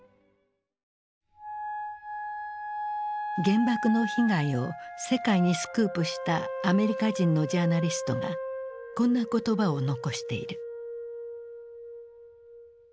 原爆の被害を世界にスクープしたアメリカ人のジャーナリストがこんな言葉を残している。